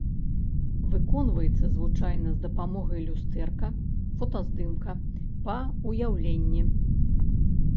Выконваецца звычайна з дапамогай люстэрка, фотаздымка, па ўяўленні.